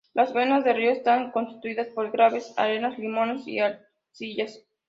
Las venas del río están constituidas por gravas, arenas, limos y arcillas.